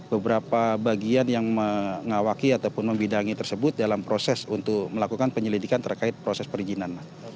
beberapa bagian yang mengawaki ataupun membidangi tersebut dalam proses untuk melakukan penyelidikan terkait proses perizinan